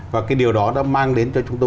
và cái điều đó đã mang đến cho chúng tôi